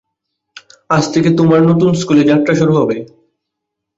আজ থেকে, তোমার নতুন স্কুলে যাত্রা শুরু হবে।